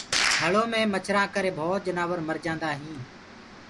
ٿݪو مي مڇرآنٚ ڪري ڀوت جنآور مردآئينٚ